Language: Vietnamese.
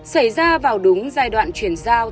xảy ra vào đúng giai đoạn chuyển giao